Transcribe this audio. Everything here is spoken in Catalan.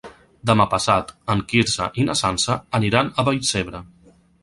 Demà passat en Quirze i na Sança aniran a Vallcebre.